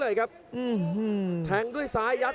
ชาเลน์